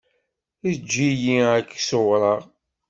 Eǧǧ-iyi ad k-ṣewwreɣ.